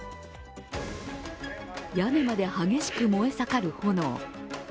屋根まで激しく燃えさかる炎。